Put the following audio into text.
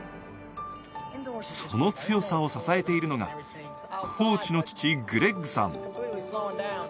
その強さを支えているのがコーチの父・グレッグさん。